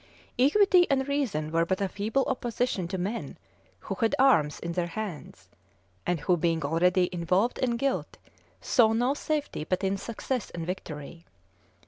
[*] Equity and reason were but a feeble opposition to men who had arms in their hands, and who, being already involved in guilt, saw no safety but in success and victory.